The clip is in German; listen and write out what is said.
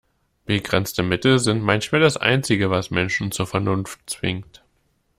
Begrenzte Mittel sind manchmal das Einzige, was Menschen zur Vernunft zwingt.